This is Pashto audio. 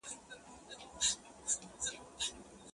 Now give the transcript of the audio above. کور یې ودان غله یې ډېره